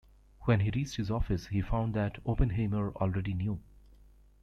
When he reached his office, he found that Oppenheimer already knew.